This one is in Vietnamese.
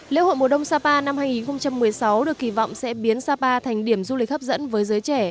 lễ hội mùa đông sapa năm hai nghìn một mươi sáu được kỳ vọng sẽ biến sapa thành điểm du lịch hấp dẫn với giới trẻ